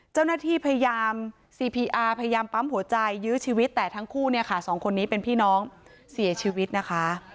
เจ้าหน้าที่พยายามซีพีอาร์พยายามปั๊มหัวใจยื้อชีวิตแต่ทั้งคู่เนี่ยค่ะสองคนนี้เป็นพี่น้องเสียชีวิตนะคะ